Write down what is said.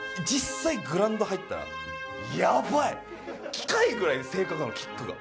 機械ぐらい正確なのキックが。